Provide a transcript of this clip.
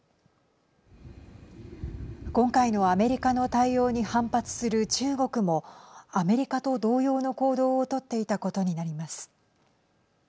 今回のアメリカの対応に反発する中国もアメリカと同様の行動を取っていたことになります。